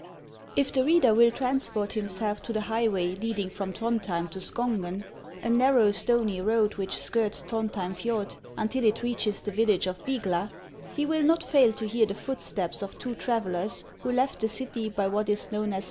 IV the reader will transport himself to the highway lead ing from Throndhjem to Skongen, a narrow, stony road which skirts Throndhjem Fjord until it reaches the village of Yygla, lie will not fail to hear the footsteps of two travellers, who left the city by what is known as